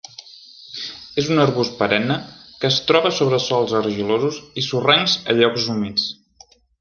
És un arbust perenne que es troba sobre sòls argilosos i sorrencs a llocs humits.